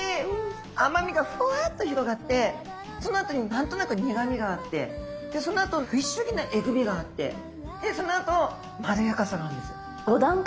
甘みがふわっと広がってそのあとに何となく苦みがあってでそのあとフィッシュギなえぐみがあってそのあとまろやかさがあるんです。